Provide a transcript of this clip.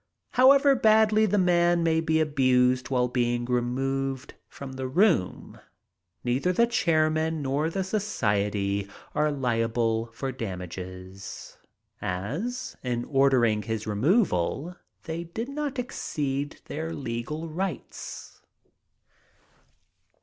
However badly the man may be abused while being removed from the room, neither the chairman nor the society are liable for damages, as, in ordering his removal, they did not exceed their legal rights.